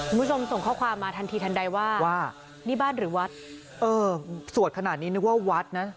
คุณผู้ชมส่งข้อความมาทันทีทันใดว่าว่านี่บ้านหรือวัดเออสวดขนาดนี้นึกว่าวัดนะ